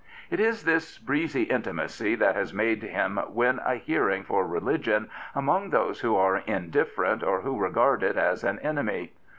It is this breezy intimacy that has made him win a hearing for religion among those who are indifferent or who regard it as an enemy.